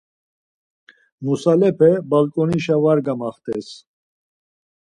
Nusalepe balǩonişa var gamaxtes.